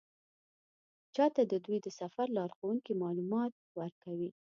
چا ته د دوی د سفر لارښوونکي معلومات ورکوي.